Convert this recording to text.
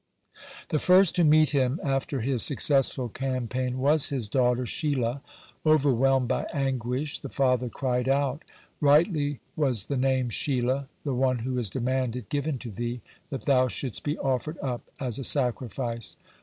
The first to meet him after his successful campaign was his daughter Sheilah. Overwhelmed by anguish, the father cried out: "Rightly was the name Sheilah, the one who is demanded, given to thee, that thou shouldst be offered up as a sacrifice.